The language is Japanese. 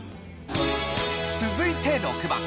続いて６番。